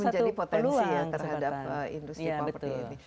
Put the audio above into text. nah ini menjadi potensi ya terhadap industri property ini